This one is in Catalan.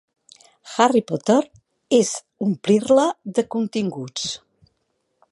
Harry Potter és omplir-la de continguts.